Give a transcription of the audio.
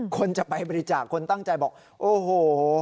คนจะไปบริจาคคนตั้งใจบอกโอ้โห